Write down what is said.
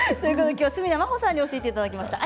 今日は角田真秀さんに教えていただきました。